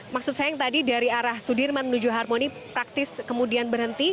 maksud saya yang tadi dari arah sudirman menuju harmoni praktis kemudian berhenti